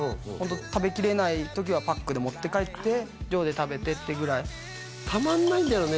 食べきれない時はパックで持って帰って寮で食べてってぐらいたまんないんだよね